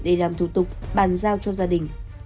để làm thủ tục bàn giao cho gia đình